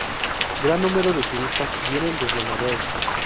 Gran número de turistas vienen desde Noruega.